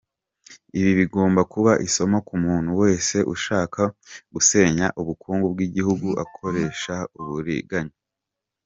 Ibi bigomba kuba isomo ku muntu wese ushaka gusenya ubukungu bw’igihugu akoresha uburiganya.